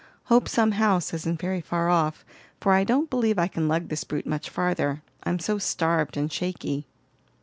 Hope some house isn't very far off, for I don't believe I can lug this brute much farther, I'm so starved and shaky."